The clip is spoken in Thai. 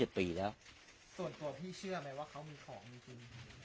ส่วนตัวพี่เชื่อไหมว่าเขามีของจริง